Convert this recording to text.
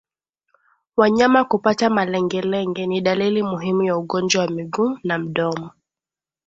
Wanyama kupata malengelenge ni dalili muhimu ya ugonjwa wa miguu na mdomo